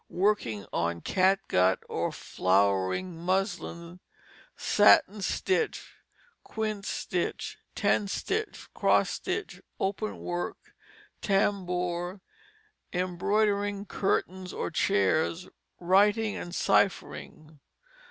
working on catgut or flowering muslin, sattin stitch, quince stitch, tent stitch, cross stitch, open work, tambour, embroidering curtains or chairs, writing and cyphering.